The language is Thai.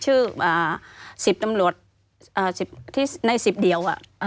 ชื่อ๑๐ตำรวจที่ใน๑๐เดียว